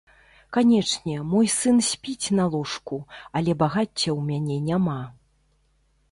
Канечне, мой сын спіць на ложку, але багацця ў мяне няма.